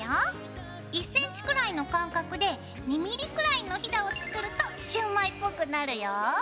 １ｃｍくらいの間隔で２ｍｍくらいのヒダを作るとシュウマイぽくなるよ。